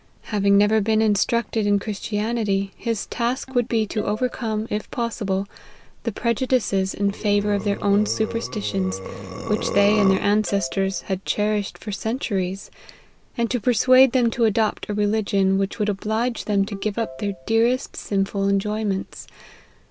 Having never been instructed in Chris tianity, his task would be to overcome, if possible, the prejudices in favour of their own superstitions, which they and their ancestors had cherished for centuries ; and to persuade them to adopt a religion which would oblige them to give up their dearest sin ful enjoyments.